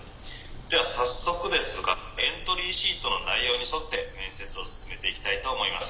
では早速ですがエントリーシートの内容に沿って面接を進めていきたいと思います」。